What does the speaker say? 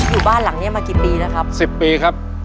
อยู่บ้านหลังนี้มากี่ปีแล้วครับสิบปีครับ